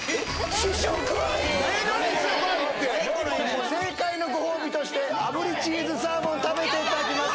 試食ありって正解のごほうびとしてあぶりチーズサーモン食べていただきます